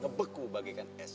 ngebeku bagikan es